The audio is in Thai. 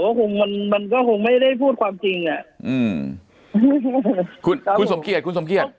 ก็คงมันมันก็คงไม่ได้พูดความจริงอ่ะอืมคุณอ่าคุณสมเกียจคุณสมเกียจ